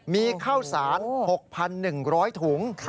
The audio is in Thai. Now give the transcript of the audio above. มีข้าวสาร๖๑๐๐ถุง